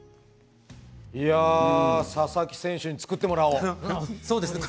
佐々木選手に作ってもらおう。